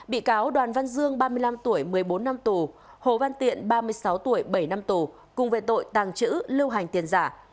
bị cáo đoàn văn dương ba mươi năm tuổi một mươi bốn năm tù hồ văn tiện ba mươi sáu tuổi bảy năm tù cùng về tội tàng trữ lưu hành tiền giả